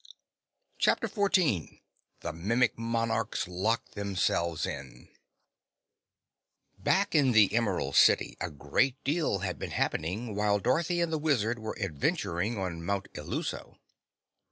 CHAPTER 14 The Mimic Monarchs Lock Themselves In Back in the Emerald City a great deal had been happening while Dorothy and the Wizard were adventuring on Mount Illuso.